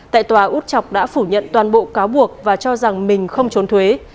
tại tòa út chọc đã phủ nhận toàn bộ cáo buộc và cho rằng mình không trốn thuế